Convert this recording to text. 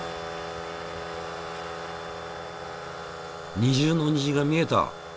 二重の虹が見えた。